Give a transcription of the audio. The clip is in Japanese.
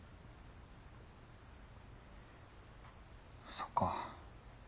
そっか。